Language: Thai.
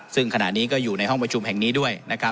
ซึ่งขณะนี้ก็อยู่ในห้องประชุมแห่งนี้ด้วยนะครับ